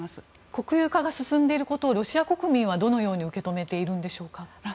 国有化が進んでいることをロシア国民はどのように受け止めているんでしょうか。